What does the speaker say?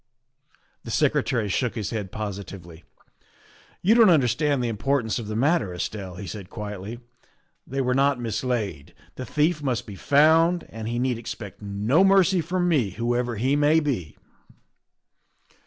The Secretary shook his head positively. ' You don't understand the importance of the mat ter, Estelle," he said quietly; " they were not mislaid. The thief must be found, and he need expect no mercy from me whoever he may be."